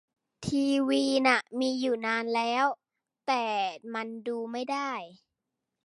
ทีวีน่ะมีอยู่นานแล้ว แต่มันดูไม่ได้